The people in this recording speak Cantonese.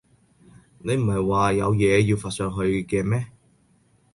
你唔喺話有嘢要發上去嘅咩？